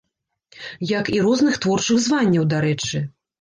Як і розных творчых званняў, дарэчы.